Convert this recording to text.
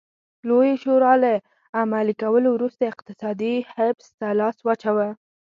لویې شورا له عملي کولو وروسته اقتصادي حبس ته لاس واچاوه.